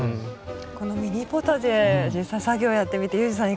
このミニポタジェ実際作業やってみてユージさん